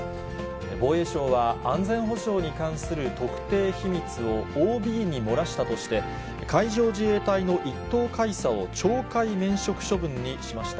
防衛省は、安全保障に関する特定秘密をＯＢに漏らしたとして、海上自衛隊の１等海佐を懲戒免職処分にしました。